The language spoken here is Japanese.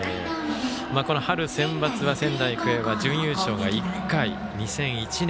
この春センバツは仙台育英は準優勝が１回、２００１年。